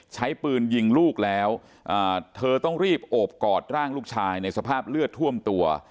ใช้ปืนยิงลูกแล้วเธอต้องรีบโอบกอดร่างลูกชายในสภาพเลือดท่วมตัว